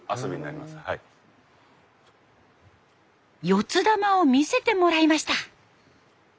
四ッ球を見せてもらいました。